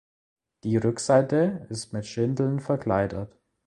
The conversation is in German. Die Rückseite ist mit Schindeln verkleidet.